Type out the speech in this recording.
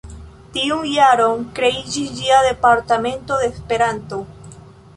Tiun jaron kreiĝis ĝia Departemento de Esperanto.